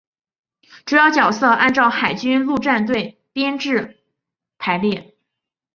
主要角色按照海军陆战队编制排列。